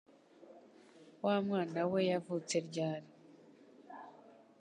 wa mwana we yavutse ryari